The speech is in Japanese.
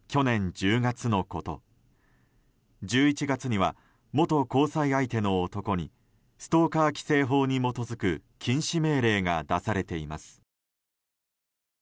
１１月には元交際相手の男にストーカー規制法に基づく禁止命令が出されています。